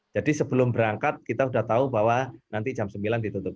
jadi sebelum berangkat kita sudah tahu bahwa nanti jam sembilan ditutup